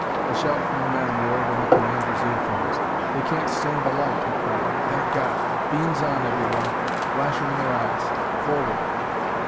A shout from the men roared in the commander's earphones. "They can't stand the light!" he cried. "Thank God! Beams on, everyone! Flash 'em in their eyes! Forward!"